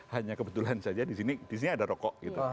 hanya kebetulan saja di sini ada rokok gitu